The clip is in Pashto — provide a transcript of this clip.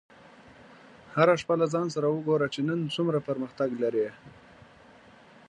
هره شپه له ځان سره وګوره چې نن څومره پرمختګ لرې.